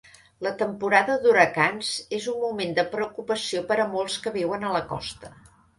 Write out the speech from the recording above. La temporada d'huracans és un moment de preocupació per a molts que viuen a la costa.